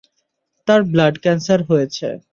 তার blood cancer হয়েছে।